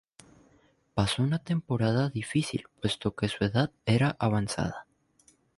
Pasó una temporada difícil puesto que su edad era avanzada.